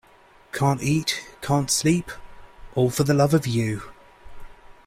Can't eat, can't sleep — all for love of you.